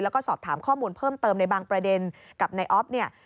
แล้วก็สอบถามข้อมูลเพิ่มเติมในบางประเด็นกับนายอ๊อฟเนี่ย